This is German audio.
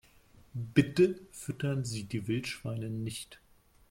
Bitte füttern Sie die Wildschweine nicht!